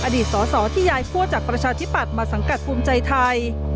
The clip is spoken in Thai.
อดีตสอสอที่ย้ายคั่วจากประชาธิปัตย์มาสังกัดภูมิใจไทย